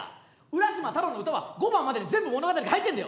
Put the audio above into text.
「浦島太郎」の歌は５番までに全部物語が入ってんだよ！